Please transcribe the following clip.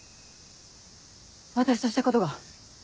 私としたことが。